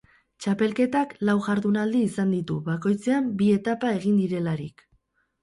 Txapelketak lau jardunaldi izan ditu, bakoitzean bi etapa egin direlarik.